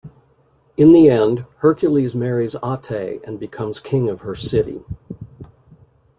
In the end, Hercules marries Ate and becomes king of her city.